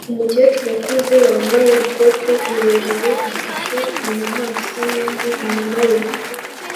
Umukecuru ukuze wambaye ikote rirerire afashe inyamaswa nindi inyuma ye